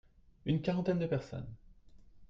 Une quarantaine de personnes.